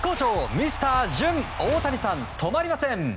ミスター・ジューン大谷さん、止まりません！